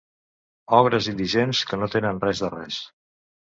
Ogres indigents, que no tenen res de res.